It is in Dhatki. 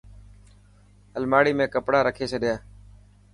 الماڙي ۾ ڪپڙا رکي ڇڏيا.